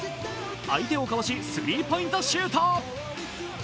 相手をかわしスリーポイントシュート。